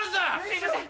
すいません！